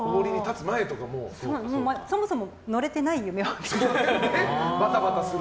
そもそも乗れてない夢を見ます。